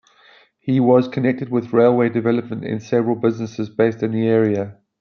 He was connected with railway development and several businesses based in the area.